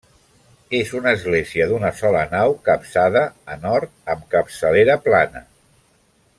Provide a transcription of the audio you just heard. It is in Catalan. És una església d'una sola nau, capçada a nord amb capçalera plana.